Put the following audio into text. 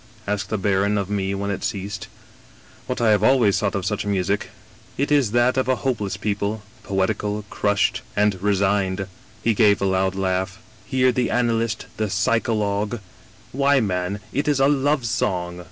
asked the baron of mc when it ceased. "* What I have always thought of such music — ^it is that of a hopeless people ; poetical, crushed, and resigned.' " He gave a loud laugh. * Hear the analyst, the psycho logue ^why, man, it is a love song